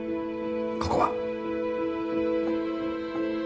ここは。